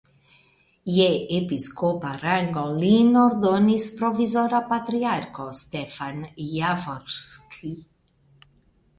Je episkopa rango lin ordinis provizora patriarko Stefan Javorskij.